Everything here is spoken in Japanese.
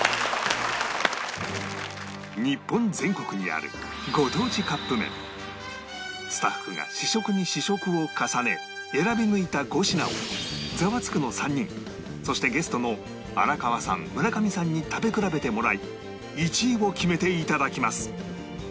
日本全国にあるスタッフが試食に試食を重ね選び抜いた５品を『ザワつく！』の３人そしてゲストの荒川さん村上さんに食べ比べてもらい１位を決めて頂きます